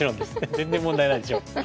全然問題ないでしょう。